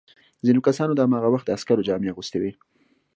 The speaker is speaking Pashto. ځینو کسانو د هماغه وخت د عسکرو جامې اغوستي وې.